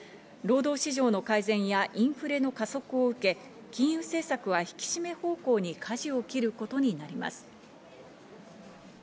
労働市場の改善やインフレの加速を受け、金融政策は引き締め方向に舵を切ることになります。